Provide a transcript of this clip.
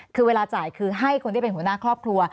คือเวลาจ่ายคือให้คนที่เป็นหัวหน้าครอบครัว